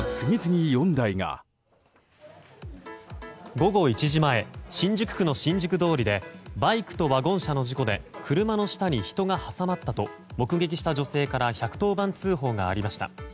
午後１時前新宿区の新宿通りでバイクとワゴン車の事故で車の下に人が挟まったと目撃した女性から１１０番通報がありました。